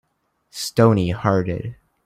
Stony hearted